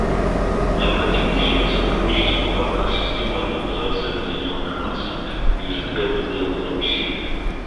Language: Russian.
Необходимо усилить сотрудничество в рамках системы Организации Объединенных Наций и избегать дублирования усилий.